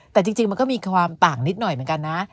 แต่จริงมันก็มีความต่างนิดหน่อยเหมือนกันนะ